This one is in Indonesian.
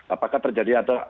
apakah terjadi atau tidak